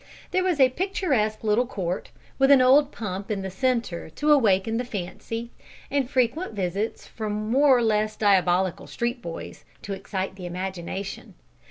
There was a picturesque little court, with an old pump in the centre to awaken the fancy, and frequent visits from more or less diabolical street boys, to excite the imagination.